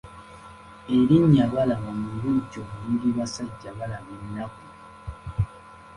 Erinnya Balaba mubujjuvu liri Basajjabalaba ennaku.